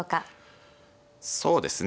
そうですね